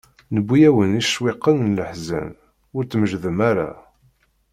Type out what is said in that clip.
Newwi-awen-d icewwiqen n leḥzen, ur tmeǧǧdem ara.